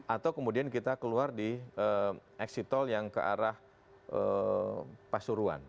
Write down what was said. atau kemudian kita keluar di exit tol yang ke arah pasuruan